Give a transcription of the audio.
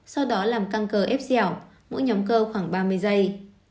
sau đó làm căng cơ ép dẻo mỗi nhóm cơ khoảng ba mươi giây